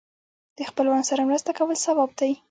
د خپلوانو سره مرسته کول ثواب دی.